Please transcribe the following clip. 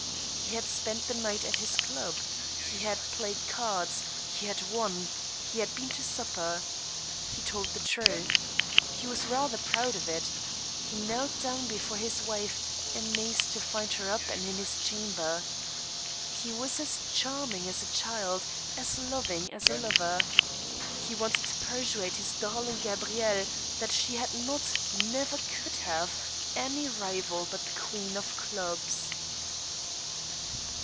He had spent the night at his club. He had played cards ; he had won ; he had been to supper. He told the truth. He was rather proud of it. He knelt down before his wife, amazed to find her up and in his chamber. He was as charming as a child, as loving as a lover. He wanted to persuade his darling Gabrielle that she had not, never could have, any rival but the queen of clubs.